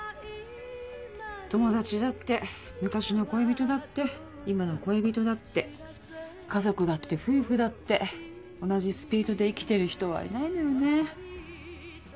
友達だって昔の恋人だって今の恋人だって家族だって夫婦だって同じスピードで生きてる人はいないのよね。